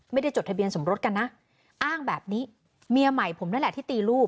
จดทะเบียนสมรสกันนะอ้างแบบนี้เมียใหม่ผมนั่นแหละที่ตีลูก